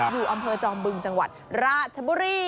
อยู่อำเภอจอมบึงจังหวัดราชบุรี